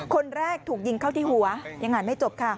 คนแรกถูกยิงเข้าที่หัวยังอ่านไม่จบค่ะ